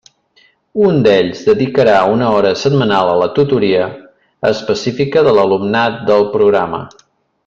Un d'ells dedicarà una hora setmanal a la tutoria específica de l'alumnat del programa.